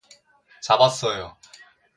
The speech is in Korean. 잡았어요.